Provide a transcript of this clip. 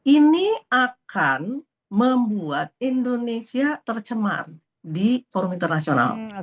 ini akan membuat indonesia tercemar di forum internasional